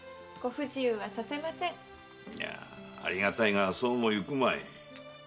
いやありがたいがそうもいくまい。